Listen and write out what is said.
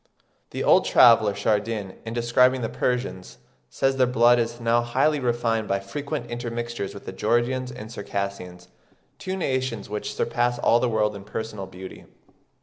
The old traveller Chardin, in describing the Persians, says their "blood is now highly refined by frequent intermixtures with the Georgians and Circassians, two nations which surpass all the world in personal beauty.